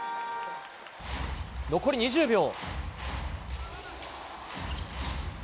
残り２０秒。